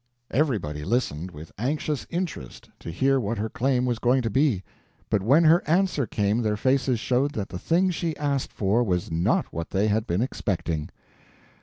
Everybody listened with anxious interest to hear what her claim was going to be, but when her answer came their faces showed that the thing she asked for was not what they had been expecting.